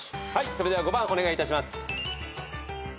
それでは５番お願いいたします。